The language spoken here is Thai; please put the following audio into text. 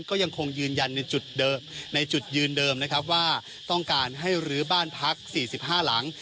ก็ยังคงยืนยันในจุดยืนเดิมนะครับว่าต้องการให้รื้อบ้านพัก๔๕หลัง